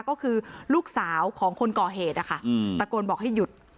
ก็คือลูกสาวของคนก่อเหตุนะคะตะโกนบอกให้หยุด